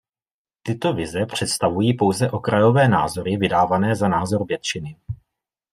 Tyto vize představují pouze okrajové názory vydávané za názor většiny.